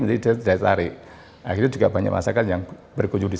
akhirnya juga banyak masyarakat yang berkunjung desanya tidak saja melakukan ibadah